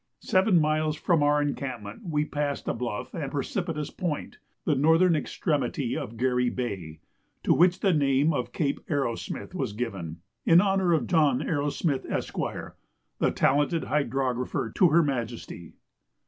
Seven miles from our encampment we passed a bluff and precipitous point, the northern extremity of Garry Bay, to which the name of Cape Arrowsmith was given, in honour of John Arrowsmith, Esq., the talented hydrographer to Her Majesty.